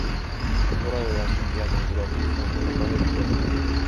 Uralilaisten kielten kuvauksessa on vielä paljon työtä.